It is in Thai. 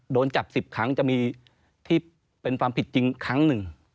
โดนจับ๑๐ครั้งจะมีที่เป็นความผิดจริงครั้งหนึ่ง